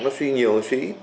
nó suy nhiều hay suy ít